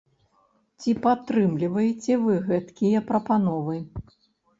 Ці падтрымліваеце вы гэткія прапановы?